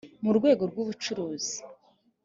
mu rwego rw ubucuruzi